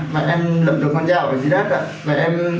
và em lậm được con dao ở dưới đất ạ